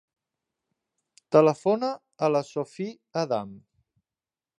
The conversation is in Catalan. Telefona a la Sophie Adame.